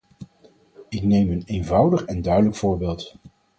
Ik neem een eenvoudig en duidelijk voorbeeld.